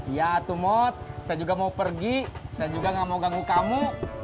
iya tumot saya juga mau pergi saya juga nggak mau ganggu kamu